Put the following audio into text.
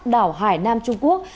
đảo hải nam trung quốc